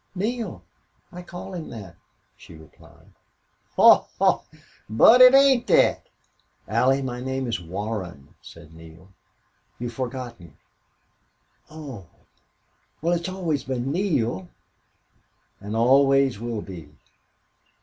"Neale. I call him that," she replied. "Haw! Haw! But it ain't thet." "Allie, my name is Warren," said Neale. "You've forgotten." "Oh!... Well, it's always been Neale and always will be."